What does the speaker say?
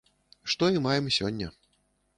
Што і маем сёння.